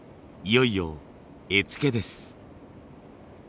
いよいよ絵付けです。